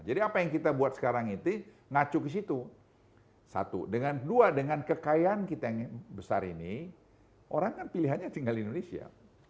jadi apa yang kita buat sekarang itu ngacu ke situ satu dengan dua dengan kekayaan kita yang besar ini orang kan pilihannya tinggal di indonesia